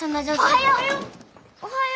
おはよう。